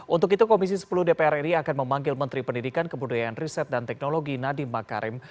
untuk itu komisi sepuluh dpr ri akan memanggil menteri pendidikan kebudayaan riset dan teknologi nadiem makarim